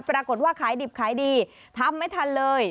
ปรากฏว่าขายดิบขายดีทำไม่ทันเลย